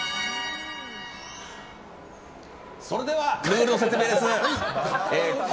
それでは、ルールの説明です。